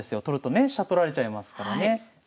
取るとね飛車取られちゃいますからね。